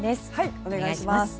お願いします。